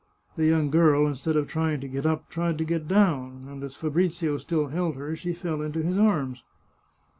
The young girl, instead of trying to get up, tried to get down, and as Fabrizio still held her, she fell into his arms.